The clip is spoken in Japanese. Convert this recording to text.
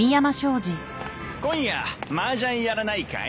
今夜マージャンやらないかい？